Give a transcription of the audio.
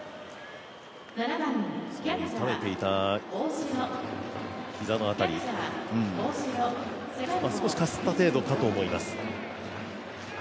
痛めていた膝の辺り、少しかすった程度かと思います。